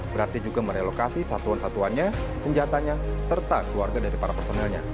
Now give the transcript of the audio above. berarti juga merelokasi satuan satuannya senjatanya serta keluarga dari para personelnya